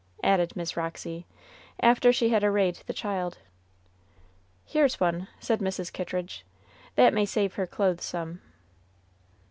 added Miss Roxy, after she had arrayed the child. "Here's one," said Mrs. Kittridge; "that may save her clothes some."